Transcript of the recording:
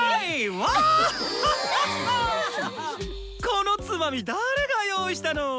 このツマミ誰が用意したの？